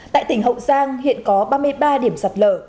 tại tỉnh hậu giang hiện có ba mươi ba điểm sạt lở